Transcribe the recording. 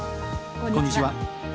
こんにちは。